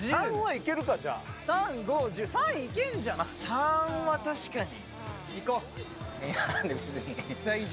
３は確かに。